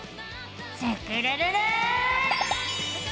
スクるるる！